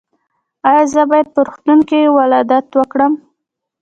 ایا زه باید په روغتون کې ولادت وکړم؟